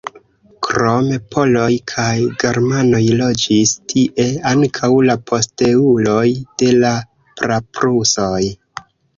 Krom poloj kaj germanoj loĝis tie ankaŭ la posteuloj de la praprusoj.